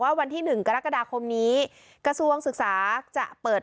ว่าวันที่หนึ่งกรกดาคมนี้กระสวงศึกษาจะเปิด